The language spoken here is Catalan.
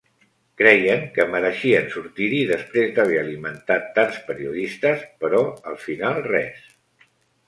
Creien que mereixien sortir-hi, després d'haver alimentat tants periodistes, però al final res.